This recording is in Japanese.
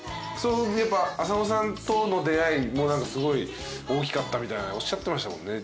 やっぱ浅野さんとの出会いもすごい大きかったみたいなおっしゃってましたもんね